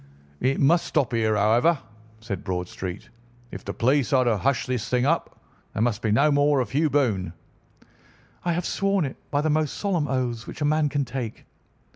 "It must stop here, however," said Bradstreet. "If the police are to hush this thing up, there must be no more of Hugh Boone." "I have sworn it by the most solemn oaths which a man can take."